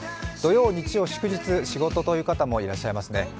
土曜、日曜、祝日、仕事という方もいらっしゃいますね。